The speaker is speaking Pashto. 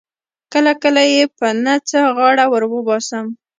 کله کله یې په نه څه غاړه ور وباسم.